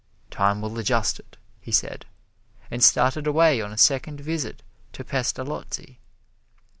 "Time will adjust it," he said, and started away on a second visit to Pestalozzi.